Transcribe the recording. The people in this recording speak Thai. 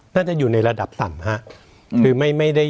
น่าจะอยู่ในระดับต่ำฮะ